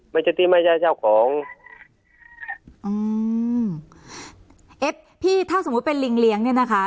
ไม่ใช่ที่ไม่ใช่เจ้าของอืมเอ็ดพี่ถ้าสมมุติเป็นลิงเลี้ยงเนี้ยนะคะ